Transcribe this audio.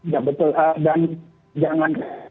ya betul dan jangan